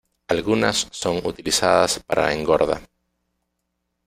Algunas son utilizadas para engorda.